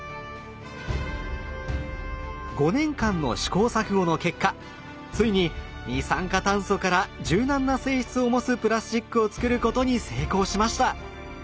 ５年間の試行錯誤の結果ついに二酸化炭素から柔軟な性質を持つプラスチックを作ることに成功しました！